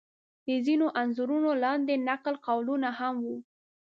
د ځینو انځورونو لاندې نقل قولونه هم و.